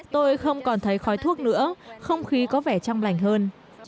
tôi không còn thấy khói thuốc nữa không khí có vẻ trong lành hơn